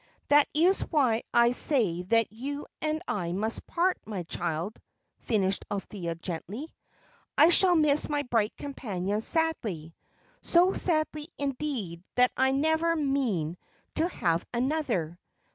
"That is why I say that you and I must part, my child," finished Althea, gently. "I shall miss my bright companion sadly so sadly, indeed, that I never mean to have another.